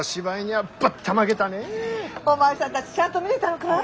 お前さんたちちゃんと見れたのかい？